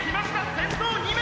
先頭２名！！